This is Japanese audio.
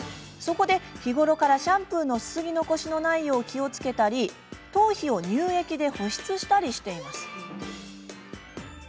そこで、日頃からシャンプーのすすぎ残しのないよう気をつけたり頭皮を乳液で保湿したりしています。